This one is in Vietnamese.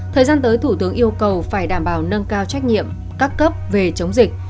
thời gian tới thủ tướng yêu cầu phải đảm bảo nâng cao trách nhiệm các cấp về chống dịch